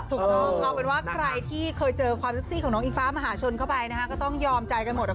ถูกต้องเอาเป็นว่าใครที่เคยเจอความเซ็กซี่ของน้องอิงฟ้ามหาชนเข้าไปนะฮะก็ต้องยอมใจกันหมด